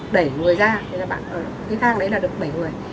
đẩy người ra thì cái thang đấy là được bảy người